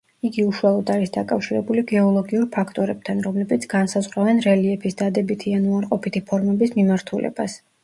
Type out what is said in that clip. იგი უშუალოდ არის დაკავშირებული გეოლოგიურ ფაქტორებთან, რომლებიც განსაზღვრავენ რელიეფის დადებითი ან უარყოფითი ფორმების მიმართულებას.